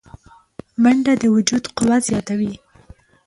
منډه د وجود قوه زیاتوي